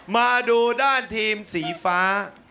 มาดูด้านทีมสีฟ้า